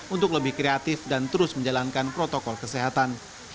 untuk lebih kreatif dan terus menjalankan protokol kesehatan